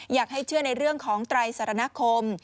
อยากให้เชื่อในเรื่องของไตรสารณคม